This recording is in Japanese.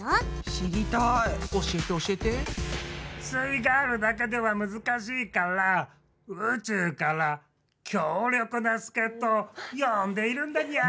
イガールだけでは難しいから宇宙から強力な助っとを呼んでいるんだニャ！